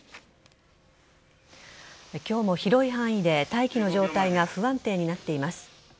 今日も広い範囲で大気の状態が不安定になっています。